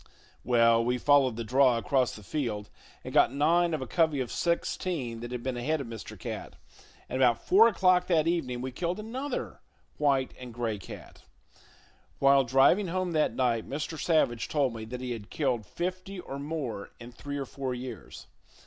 Well, we followed the draw across the field and got nine of a covey of sixteen that had been ahead of Mr. Cat; and about four o'clock that evening we killed another white and gray cat. While driving home that night, Mr. Savage told me that he had killed fifty or more in three or four years.